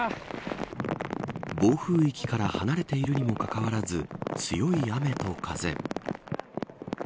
暴風域から離れているにもかかわらず強い雨と風。